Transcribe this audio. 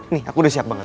nih aku udah siap banget